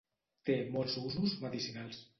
té molts usos medicinals